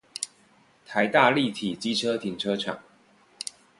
臺大立體機車停車場